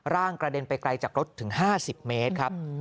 ร่างกระเด็นไปไกลจากรถถึง๕๐เมตรครับ